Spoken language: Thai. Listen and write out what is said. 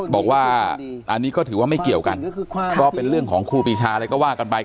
บอกว่าอันนี้ก็ถือว่าไม่เกี่ยวกันก็เป็นเรื่องของครูปีชาอะไรก็ว่ากันไป